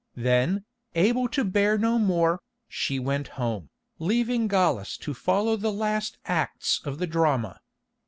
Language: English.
Then, able to bear no more, she went home, leaving Gallus to follow the last acts of the drama.